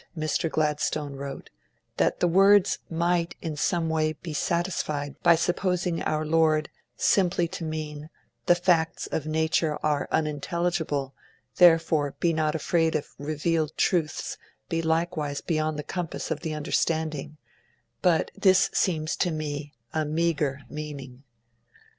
'] 'I admit,' Mr. Gladstone wrote, 'that the words might in some way be satisfied by supposing our Lord simply to mean "the facts of nature are unintelligible, therefore, be not afraid if revealed truths be likewise beyond the compass of the understanding"; but this seems to me a meagre meaning.'